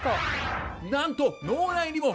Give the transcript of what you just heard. なんと脳内にも！